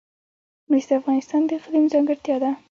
مس د افغانستان د اقلیم ځانګړتیا ده.